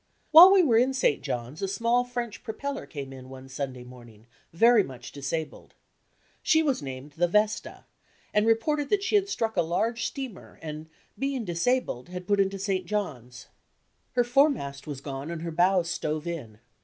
While we were in St. John's a small French propeller came in one Sunday morning very much disabled. She was named the Vesta, and reported that she had struck a large steamer and, being disabled, had put into SKETCHES OF TRAVEL St. John's. Her foremast was gone and her bow stove in.